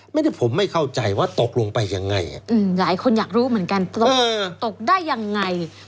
ผมไม่เข้าใจว่าตกลงไปยังไงหลายคนอยากรู้เหมือนกันตกตกได้ยังไง